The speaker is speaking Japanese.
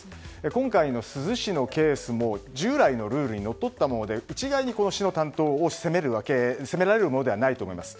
今回の珠洲市のケースも従来のルールにのっとったもので一概に責められるものではないと思います。